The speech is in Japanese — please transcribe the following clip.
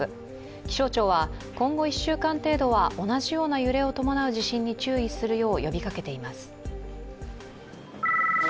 気象庁は今後１週間程度は同じような揺れを伴う地震に注意するよう呼びかけています。